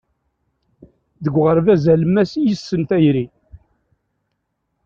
Deg uɣerbaz alemmas i yessen tayri.